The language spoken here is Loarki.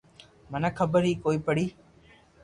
مني خبر ھي ڪوئي پڙي